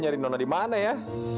nyari nona di mana ya